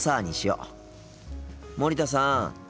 森田さん。